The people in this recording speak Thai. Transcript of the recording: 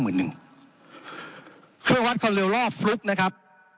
เครื่องวัดคนเร็วรอบฟลุ๊กนะครับ